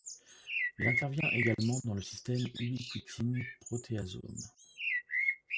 Il intervient également dans le système ubiquitine-protéasome.